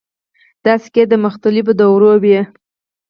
دا سکې د مختلفو دورو وې